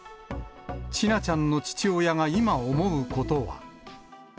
千奈ちゃんの父親が今、思うことは。